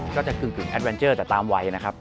กึ่งแอดเวนเจอร์แต่ตามวัยนะครับ